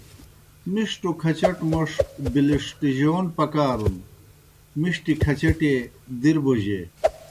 مِݜٹوْ کھچٹوْ موْݜ بِلِݜٹِجَون پکارُن مِݜٹیْ کھچٹیئے دِر بوجیئے۔